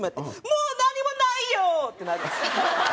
「もう何もないよー！」ってなるんです。